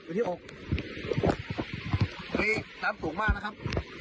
ตรงนี้น้ำนะครับตรงนี้น้ำสูงมากนะครับ